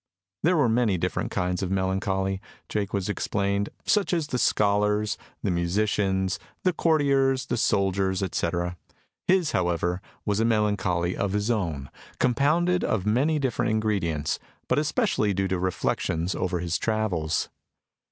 There were many different kinds of melancholy, Jaques explained, such as the scholar's, the musician's, the courtier's, the soldier's, etc.; his, however, was a melancholy of his own, compounded of many different ingredients, but especially due to reflections over his travels.